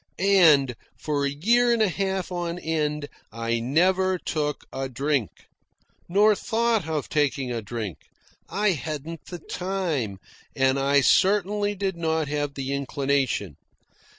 And for a year and a half on end I never took a drink, nor thought of taking a drink. I hadn't the time, and I certainly did not have the inclination.